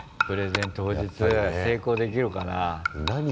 プレゼン当日成功できるかなあ。